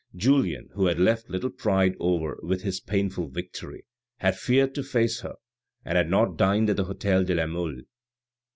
Julien who had felt little pride over his painful victory, had feared to face her, and had not dined at the hotel de la Mole.